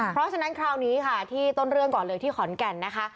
เพราะฉะนั้นคราวนี้ค่ะที่ต้นเรื่องก่อนเลยที่ขอนแก่นนะคะ